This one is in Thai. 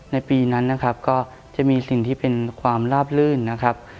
ในปีนั้นนะครับก็จะมีสิ่งที่เป็นความลาบลื่นนะครับ